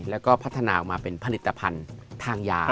แล้วก็พัฒนาออกมาเป็นผลิตภัณฑ์ทางยา